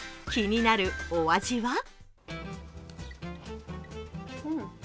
気になるお味は？